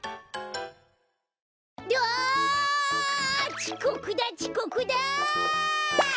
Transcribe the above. ちこくだちこくだ！